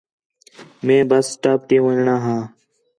مئے بس سٹاپ تی ون٘ڄݨاں ہا